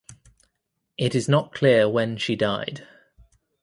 It is not clear when she died.